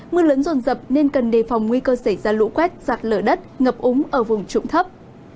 mưa lớn rồn rập nên cần đề phòng nguy cơ xảy ra lũ quét sạt lở đất ngập úng ở vùng trụng thấp